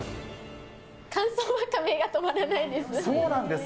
乾燥わかめが止まらないです。